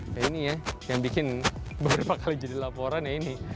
nah ini ya yang bikin beberapa kali jadi laporan ya ini